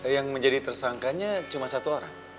yang menjadi tersangkanya cuma satu orang